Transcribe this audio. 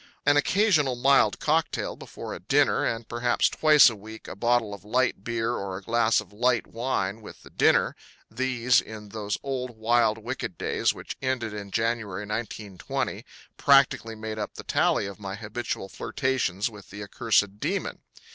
An occasional mild cocktail before a dinner, and perhaps twice a week a bottle of light beer or a glass of light wine with the dinner these, in those old wild wicked days which ended in January, 1920, practically made up the tally of my habitual flirtations with the accursed Demon.